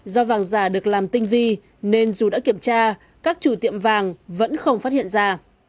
do vàng giả được làm tinh vi nên dù đã kiểm tra các chủ tiệm vàng vẫn không phát hiện ra